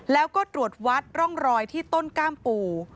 แล้วก็ตรวจวัดร่องรอยที่ต้นกล้ามปู่